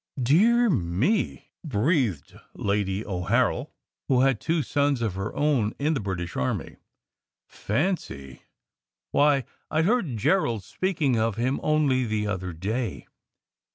"Dear me!" breathed Lady O Harrel, who had two sons of her own in the British army. "Fancy! Why, I heard Gerald speaking of him only the other day.